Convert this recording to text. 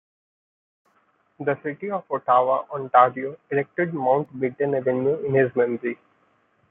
The city of Ottawa, Ontario, erected Mountbatten Avenue in his memory.